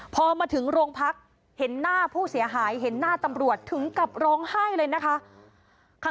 พอมาถึงโรงพักเห็นหน้าผู้เสียหายเห็นหน้าตำรวจถึงกับร้องไห้เลยนะคะ